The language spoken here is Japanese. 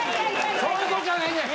そういうことじゃないねん。